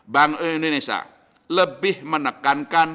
bank indonesia lebih menekankan